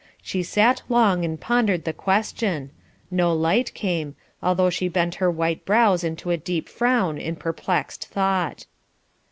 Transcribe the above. She sat long and pondered the question; no light came, although she bent her white brows into a deep frown in perplexed thought.